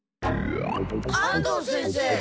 安藤先生。